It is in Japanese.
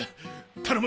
頼む